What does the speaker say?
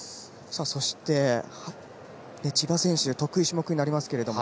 そして、千葉選手得意種目になりますけれども。